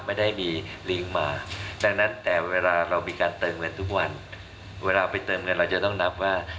ไม่ได้มีลิงก์มาดังนั้นแต่เวลาเรามีการเติมเงินทุกวันเวลาไปเติมเงินเราจะต้องนับว่า